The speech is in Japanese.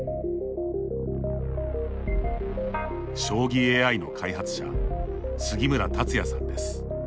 将棋ＡＩの開発者杉村達也さんです。